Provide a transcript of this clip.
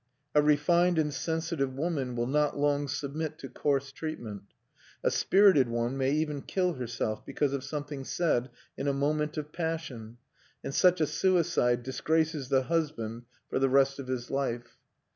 A refined and sensitive woman will not long submit to coarse treatment; a spirited one may even kill herself because of something said in a moment of passion, and such a suicide disgraces the husband for the rest of his life.